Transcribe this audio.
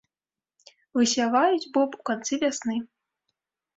Высяваюць боб у канцы вясны.